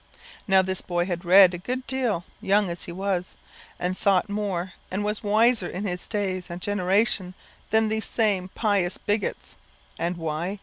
Now this boy had read a good deal, young as he was, and thought more, and was wiser in his day and generation than these same pious bigots. And why?